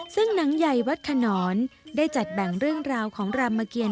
ซึ่งหนังใหญ่วัดขนอนได้จัดแบ่งเรื่องราวของรามเกียร